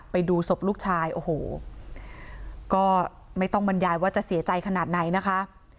ไปดูศพลูกชายโอ้โหก็ไม่ต้องบรรยายว่าจะเสียใจขนาดไหนนะคะ